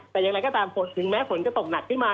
แต่อย่างไรก็ตามฝนถึงแม้ฝนจะตกหนักขึ้นมา